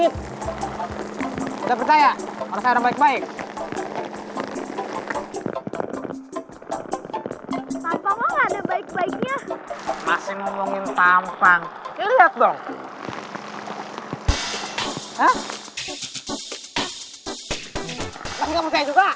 niat saya cuma baik kok